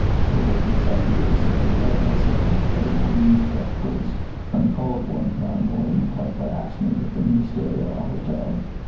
"Full of these ideas, I prepared myself with a pair of green spectacles, and called one fine morning, quite by accident, at the ministerial hotel.